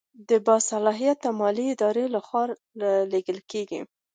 دا د باصلاحیته مالي ادارې له خوا لیږل کیږي.